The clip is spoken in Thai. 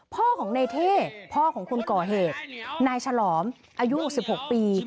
พ่อของในเท่พ่อของคนก่อเหตุนายฉลอมอายุ๖๖ปี